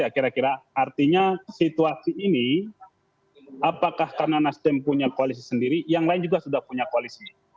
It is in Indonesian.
kira kira artinya situasi ini apakah karena nasdem punya koalisi sendiri yang lain juga sudah punya koalisi